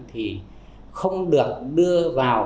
thì không được đưa vào